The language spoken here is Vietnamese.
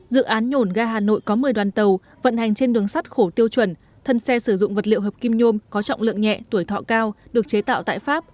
dự án nhồn ga hà nội có một mươi đoàn tàu vận hành trên đường sắt khổ tiêu chuẩn thân xe sử dụng vật liệu hợp kim nhôm có trọng lượng nhẹ tuổi thọ cao được chế tạo tại pháp